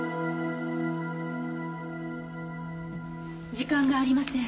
時間がありません。